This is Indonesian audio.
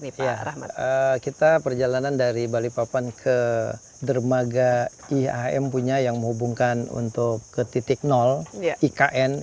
sebenarnya lainnya yg lainnya ini yg mana yg lainnya yg lain